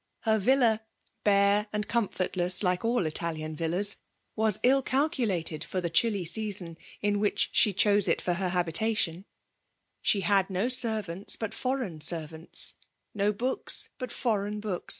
Her villa, bare and comfortless, like all Italian villas, was ill calcu FfSMAlZ DOUINATIOK* 339 lated for the chilly season in which she c&ose it for her habitation* She had no servaata but fcMreign servants — ^no books but foreign book?